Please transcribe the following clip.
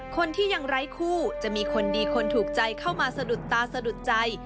คนที่ยังไร้คู่จะมีคนดีคนถูกใจเข้ามาสะดุดตาสะดุดใจ